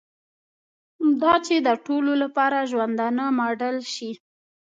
دا چې د ټولو لپاره ژوندانه ماډل شي.